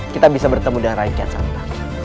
kita bisa bertemu dengan rakyat santa